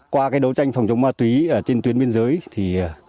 qua đấu tranh phòng chống ma túy trên tuyến biên giới